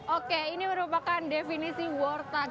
oke ini merupakan definisi wartag